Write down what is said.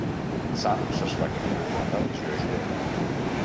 Samms es va criar en la religió jueva.